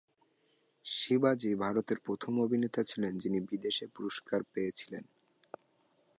শিবাজি ভারতের প্রথম অভিনেতা ছিলেন যিনি বিদেশী পুরস্কার পেয়েছিলেন।